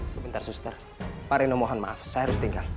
sebentar suster pak reno mohon maaf saya harus tinggal